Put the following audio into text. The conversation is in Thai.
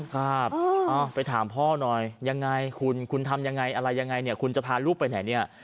ครับไปถามพ่อหน่อยยังไงคุณคุณทำยังไงอะไรยังไงเนี่ยคุณจะพาลูกไปไหนเนี่ย